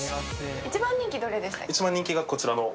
一番人気はどれでしたっけ？